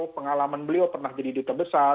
pengalaman beliau pernah jadi duta besar